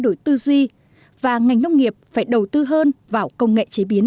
đổi tư duy và ngành nông nghiệp phải đầu tư hơn vào công nghệ chế biến